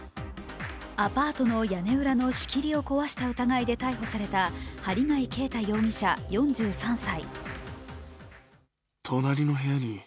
アパートの屋根裏の仕切りを壊した疑いで逮捕された針谷啓太容疑者４３歳。